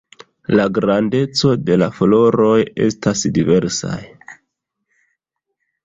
La grandeco de la floroj estas diversaj.